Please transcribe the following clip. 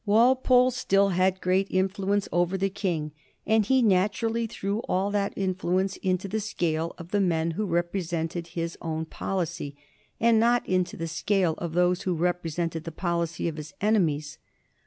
Walpole still had great influence over the King, and he naturally threw all that influence into the scale of the men who represented his own policy, and not into the scale of those who represent ed the policy of his enemies.